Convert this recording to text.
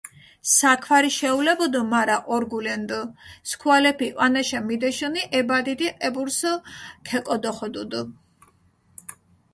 საქვარი შეულებუდჷ, მარა ორგულენდჷ, სქუალეფი ჸვანაშა მიდეშჷნი, ე ბადიდი კებურსჷ ქეკოდოხოდჷდჷ.